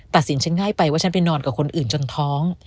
ตัดสินฉันง่ายไปว่าฉันไปนอนกับคนอื่นจนท้อง